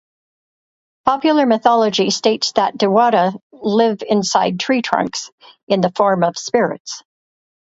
Popular mythology states that "diwata" live inside tree trunks, in the form of spirits.